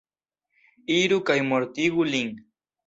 Iru kaj mortigu lin.